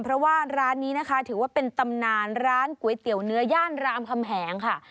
เพราะว่าร้านนี้นะคะถือว่าเป็นตำนานร้านก๋วยเตี๋ยวเนื้อย่านรามคำแหงค่ะ